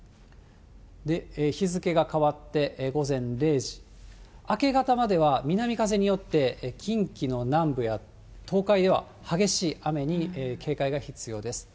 日付が変わって、午前０時、明け方までは南風によって、近畿の南部や東海では、激しい雨に警戒が必要です。